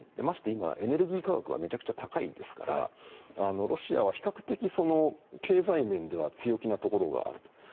まして今、エネルギー価格はめちゃくちゃ高いですからロシアは比較的、経済面では強気なところがあると。